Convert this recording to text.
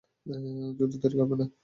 যুদ্ধ তৈরি করবে না!